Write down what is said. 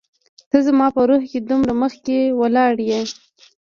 ته زما په روح کي دومره مخکي لاړ يي